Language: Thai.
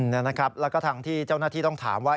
ดังนั้นครับและกระทั่งที่เจ้าหน้าที่ต้องถาม